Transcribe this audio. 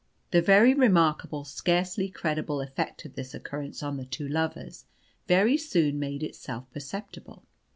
The very remarkable, scarcely credible effect of this occurrence on the two lovers very soon made itself perceptible.